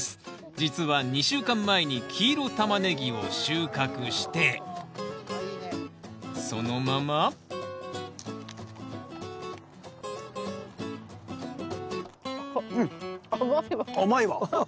実は２週間前に黄色タマネギを収穫してそのままあっ